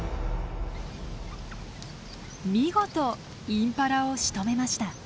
見事インパラをしとめました。